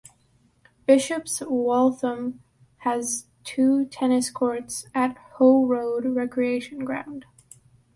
Bishop's Waltham has two tennis courts at Hoe Road Recreation Ground.